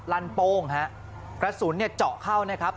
ลั่นโป้งฮะกระสุนเนี่ยเจาะเข้านะครับ